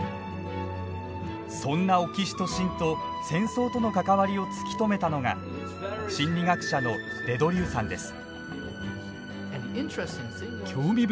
そんなオキシトシンと戦争との関わりを突き止めたのが心理学者のデ・ドリューさんです。